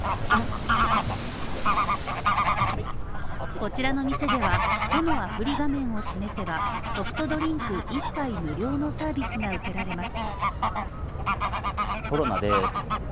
こちらの店では、都のアプリ画面を示せば、ソフトドリンク１杯無料のサービスが受けられます。